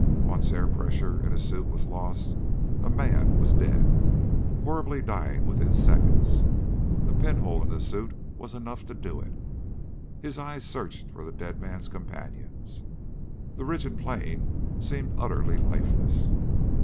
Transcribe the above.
Once air pressure in a suit was lost a man was dead horribly dying within seconds. A pinhole in the suit was enough to do it. His eyes searched for the dead man's companions. The ridge and plain seemed utterly lifeless.